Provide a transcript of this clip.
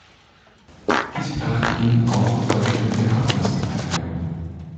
Dies brachte ihnen auch in Deutschland mehr Aufmerksamkeit ein.